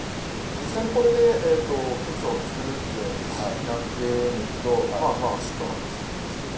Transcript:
実際にこれで靴を作るってなってみると四苦八苦するんですけど。